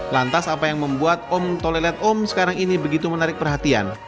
lantas apa yang membuat om tolelet om sekarang ini begitu menarik perhatian